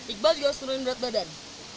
iqbal juga harus turunin berat badan